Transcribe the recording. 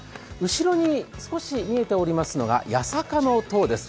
後ろに少し見えておりますのが八坂の塔です。